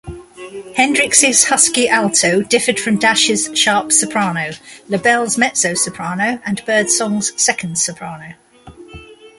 Hendryx's husky alto differed from Dash's sharp soprano, LaBelle's mezzo-soprano and Birdsong's second soprano.